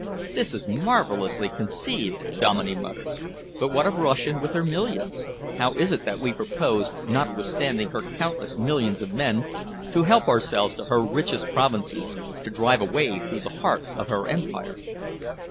"This is marvellously conceived," Dominey muttered, "but what of Russia with her millions? How is it that we propose, notwithstanding her countless millions of men, to help ourselves to her richest provinces, to drive a way through the heart of her empire?"